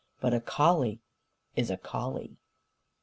But a collie is a collie.